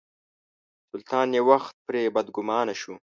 سلطان یو وخت پرې بدګومانه شو.